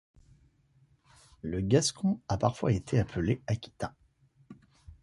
Le gascon a parfois été appelé aquitain.